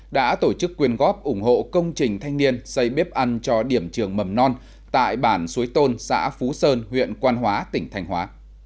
đã tổ chức quyên góp ủng hộ công trình thanh niên xây bếp ăn cho điểm trường mầm non tại bản xuối tôn xã phú sơn huyện quan hóa tỉnh thanh hóa